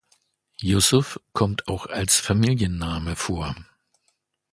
Yusuf kommt auch als Familienname vor.